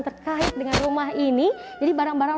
terkait dengan rumah ini jadi barang barang